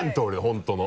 本当の。